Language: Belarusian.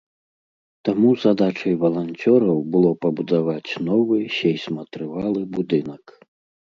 Таму задачай валанцёраў было пабудаваць новы сейсматрывалы будынак.